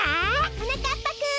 はなかっぱくん。